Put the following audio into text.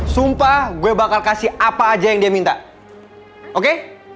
sumpah gue bakal kasih apa aja yang dia minta oke